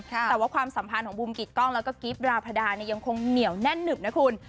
แต่ว่าความสัมพันธ์ของบูมกิดกล้องแล้วก็กิฟต์ดราพดาเนี่ยยังคงเหนียวแน่นหนึบนะคุณ